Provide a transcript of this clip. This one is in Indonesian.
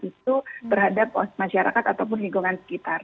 itu terhadap masyarakat ataupun lingkungan sekitar